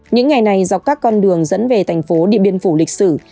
những ngày này dọc các con đường dẫn về thành phố điện biên phủ lịch sử